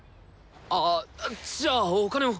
ああじゃあお金を。